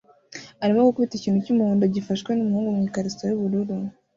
arimo gukubita ikintu cyumuhondo gifashwe numuhungu mwikariso yubururu